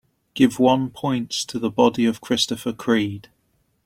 Give one points to The Body of Christopher Creed